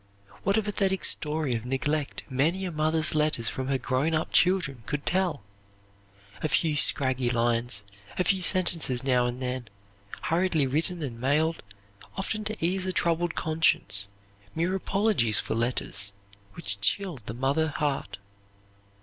What a pathetic story of neglect many a mother's letters from her grown up children could tell! A few scraggy lines, a few sentences now and then, hurriedly written and mailed often to ease a troubled conscience mere apologies for letters, which chill the mother heart.